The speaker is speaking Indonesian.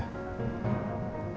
terima kasih buat informasi